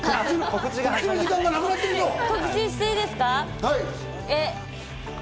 告知していいですか？